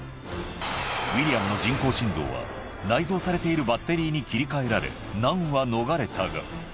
ウィリアムの人工心臓は、内蔵されているバッテリーに切り替えられ、難は逃れたが。